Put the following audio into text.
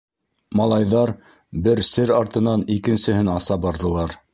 Малайҙар бер сер артынан икенсеһен аса барҙылар.